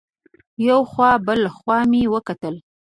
یو خوا بل خوا مې وکتل.